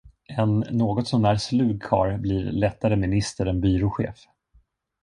En något så när slug karl blir lättare minister än byråchef.